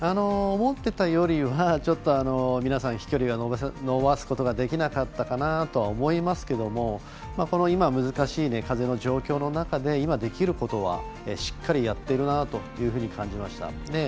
思っていたよりは皆さん、飛距離を伸ばすことができなかったかなとは思いますがこの今、難しい風の状況の中で今できることはしっかりやっているなというふうに感じました。